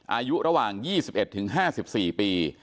อายุระหว่าง๒๑๕๔ปี